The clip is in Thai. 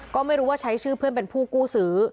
ก็ไม่รู้ว่าใช้ชื่อเพื่อนเป็นผู้กู้ซื้อ